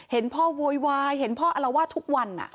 เห็นพ่อโวยวายเห็นพ่ออลวาดทุกวัน